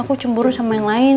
aku cemburu sama yang lain